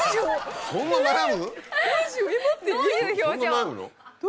そんな悩むの？